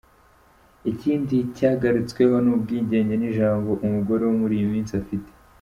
Ikindi cyagarutsweho ni ubwigenge n’ijambo umugore wo muri iyi minsi afite.